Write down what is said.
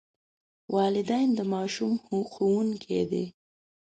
والدین د ماشوم ښوونکي دي.